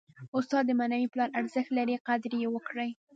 استاد د معنوي پلار ارزښت لري. قدر ئې وکړئ!